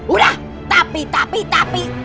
udah tapi tapi tapi